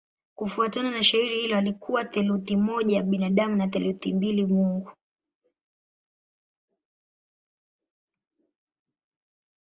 Kufuatana na shairi hilo alikuwa theluthi moja binadamu na theluthi mbili mungu.